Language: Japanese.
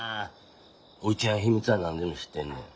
おいちゃん秘密は何でも知ってんねん。